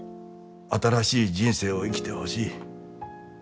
新しい人生を生きてほしい。